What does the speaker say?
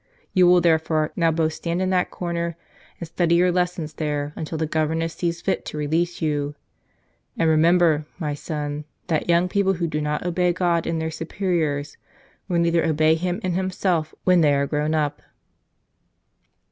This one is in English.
You will, therefore, now both stand in that corner and study your lessons there, until the governess sees fit to release you. And remem¬ ber, my son, that young people who do not obey God in their superiors will neither obey Him in Himself when they are grown up."